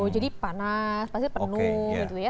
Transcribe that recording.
jadi panas pasti penuh gitu ya